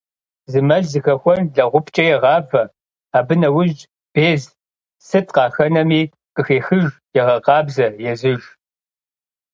Зы мэл зыхэхуэн лэгъупкӏэ егъавэ, абы нэужь без, сыт къыхэнэмэ, къыхехыж, егъэкъабзэ, езыж.